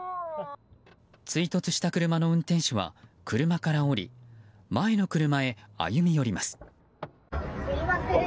追突した車の運転手は車から降り前の車へ歩み寄ります。